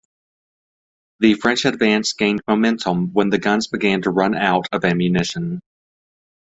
The French advance gained momentum when the guns began to run out of ammunition.